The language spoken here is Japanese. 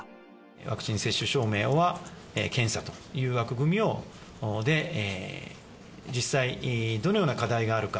ワクチン接種証明は検査という枠組みで、実際どのような課題があるか。